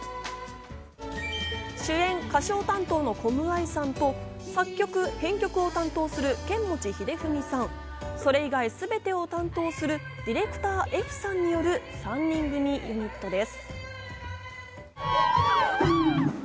主演・歌唱担当のコムアイさんと、作曲・編曲を担当するケンモチヒデフミさん、それ以外すべてを担当するＤｉｒ．Ｆさんによる３人組ユニットです。